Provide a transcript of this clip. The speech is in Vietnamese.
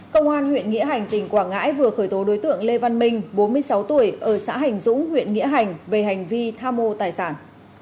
công an huyện nghĩa hành tỉnh quảng ngãi vừa khởi tố đối tượng lê văn minh bốn mươi sáu tuổi ở xã hành dũng huyện nghĩa hành về hành vi tham mô tài sản